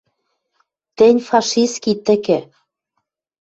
«Тӹнь, фашистский тӹкӹ!